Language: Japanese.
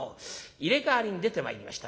入れ代わりに出てまいりましたのがね